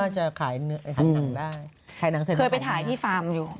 ใช่ไหม